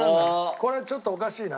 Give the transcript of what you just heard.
これちょっとおかしいな。